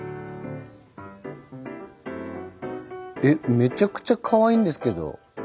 めちゃくちゃかわいいんですけど。